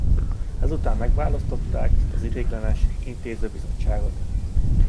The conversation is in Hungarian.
Ezután megválasztották az ideiglenes intézőbizottságot.